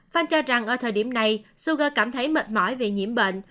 fan cho rằng ở thời điểm này suga cảm thấy mệt mỏi về nhiễm bệnh